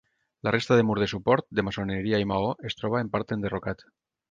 La resta de mur de suport, de maçoneria i maó, es troba en part enderrocat.